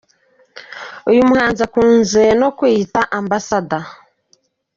Uyu muhanzi akunda no kwiyita Ambassador.